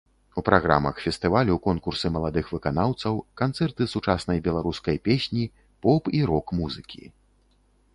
У праграмах фестывалю конкурсы маладых выканаўцаў, канцэрты сучаснай беларускай песні, поп- і рок-музыкі.